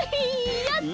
やった！